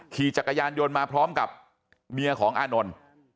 ขี่จักรยานยนต์มาพร้อมกับเมียของอานนท์